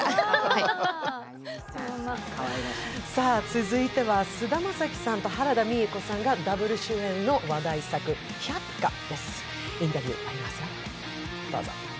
続いては菅田将暉さんと原田美枝子さんがダブル主演の話題作「百花」です。インタビューあります。